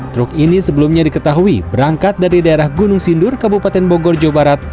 truk ini sebelumnya diketahui berangkat dari daerah gunung sindur kabupaten bogor jawa barat